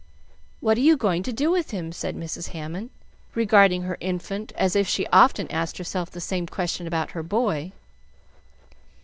"What are you going to do with him?" said Mrs. Hammond, regarding her infant as if she often asked herself the same question about her boy.